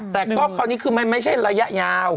แต่ก็คนนี้คือไม่ใช่ระยะยาว